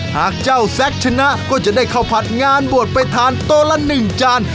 หากเจ้าแซกชนะก็จะได้เข้าผัดงานบวชไปทานโตละหนึ่งจาน